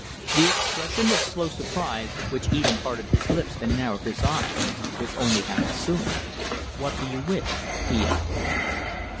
The expression of slow surprise, which even parted his lips and narrowed his eyes, was only half assumed. "What do you wish?" he asked.